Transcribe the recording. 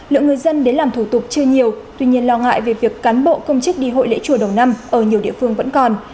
lượng người dân đến làm thủ tục chưa nhiều tuy nhiên lo ngại về việc cán bộ công chức đi hội lễ chùa đầu năm ở nhiều địa phương vẫn còn